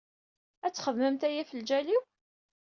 Ad txedmemt aya ɣef lǧal-iw?